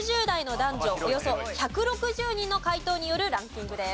およそ１６０人の回答によるランキングです。